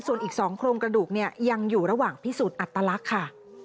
ส่วนอีก๒โครงกระดูกเนี่ยยังอยู่ระหว่างพิสูจน์อัตลักษณ์ค่ะ